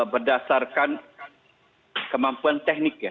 berdasarkan kemampuan teknik ya